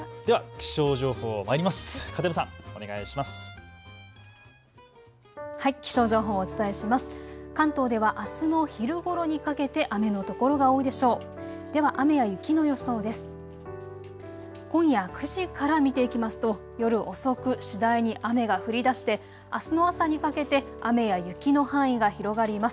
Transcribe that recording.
気象情報をお伝えします。